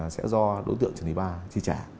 sẽ do đối tượng trần thị ba chi trả